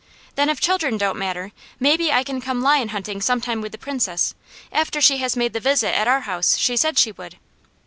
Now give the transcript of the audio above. "Then if children don't matter, maybe I can come lion hunting some time with the Princess, after she has made the visit at our house she said she would."